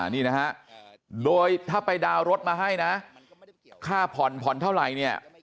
นี่นะฮะโดยถ้าไปดาวน์รถมาให้นะค่าผ่อนผ่อนเท่าไหร่เนี่ย